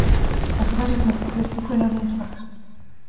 Pasó varios meses preso y fue dado de baja.